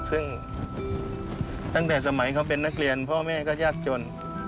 ซึ่งตั้งแต่สมัยเขาเป็นนักเรียนพ่อแม่ก็ยากจน